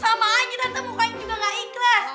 tante melly sama aja tante mukanya juga enggak ikhlas